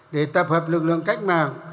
để tập hợp lực lượng cách mạng